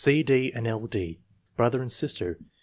C. D. and L. D. Brother and sister.